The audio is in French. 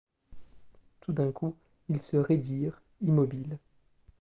Tout d'un coup, ils se raidirent, immobiles.